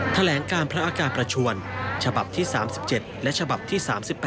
แถลงการพระอาการประชวนฉบับที่๓๗และฉบับที่๓๘